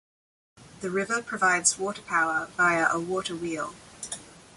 The river provides water power via a water wheel.